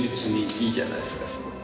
いいじゃないですかすごく。